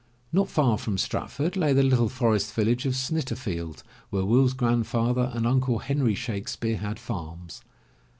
Not far from Stratford lay the little forest village of Snitter field, where Will's grandfather and Uncle Henry Shakespeare had farms.